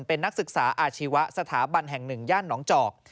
เป็นนักศึกษาอาชีวะสถาบันแห่งหนึ่งย่านหนองจอก